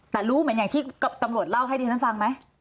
แต่รู้เหมือนอย่างที่ตำรวจเล่าให้ดิฉันฟังไหม